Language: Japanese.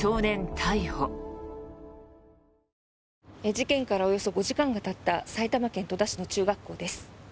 事件からおよそ５時間がたった埼玉県戸田市の中学校です。